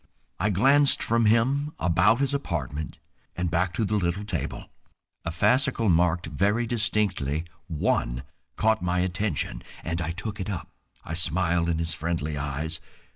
I glanced from him about his apartment and back to the little table. A fascicle marked very distinctly "1" caught my attention, and I took it up. I smiled in his friendly eyes.